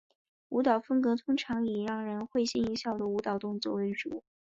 舞蹈风格通常以让人会心一笑的舞蹈动作为主。